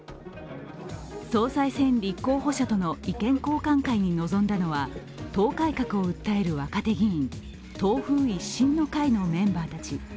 総裁選立候補者との意見交換会に臨んだのは党改革を訴える若手議員、党風一新の会のメンバーたち。